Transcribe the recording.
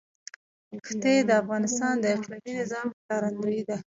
ښتې د افغانستان د اقلیمي نظام ښکارندوی ده.